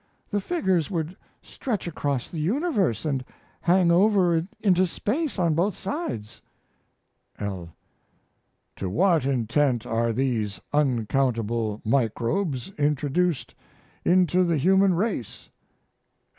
The figures would stretch across the universe and hang over into space on both sides. L. To what intent are these uncountable microbes introduced into the human race?